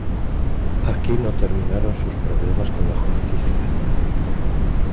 Aquí no terminaron sus problemas con la justicia.